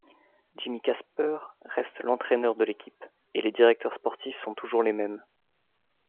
Jimmy Casper reste l'entraîneur de l'équipe et les directeurs sportifs sont toujours les mêmes.